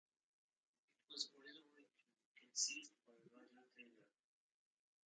It was originally conceived by Roger Taylor.